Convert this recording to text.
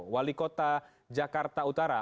wali kota jakarta utara